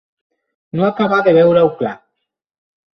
No acabar de veure-ho clar.